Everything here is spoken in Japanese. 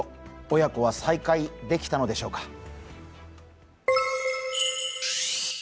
親子は再会できたのでしょうか。